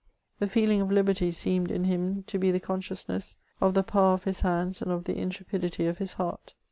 Xlie feeiii of liherty seemed in him to he the consciousness of tlie pow\ of his hands and of the intrepidity of his heart.